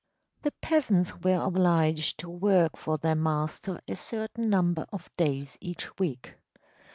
The peasants were obliged to work for their master a certain number of days each week.